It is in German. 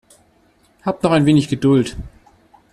Habt noch ein wenig Geduld.